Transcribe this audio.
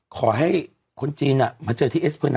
ขอให้คนจีนมาเจอที่เอส